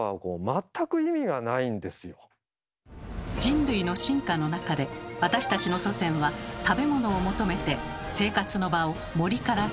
人類の進化の中で私たちの祖先は食べ物を求めて生活の場を森から草原へと変えました。